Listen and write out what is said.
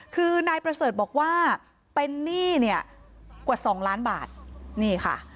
คือนายประเสริฐบอกว่าเป็นหนี้เนี่ยกว่าสองล้านบาทนี่ค่ะ